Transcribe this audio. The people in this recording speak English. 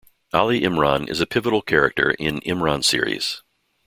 Ali Imran is a pivotal character in Imran Series.